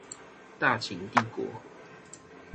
大秦帝國